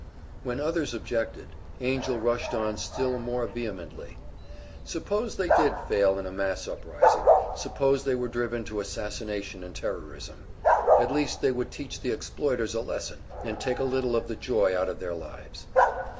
When others objected, Angell rushed on still more vehemently. Suppose they did fail in a mass uprising, suppose they were driven to assassination and terrorism? At least they would teach the exploiters a lesson, and take a little of the joy out of their lives.